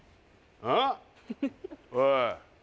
あぁ？おい。